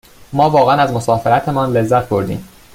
ما واقعاً از مسافرتمان لذت بردیم.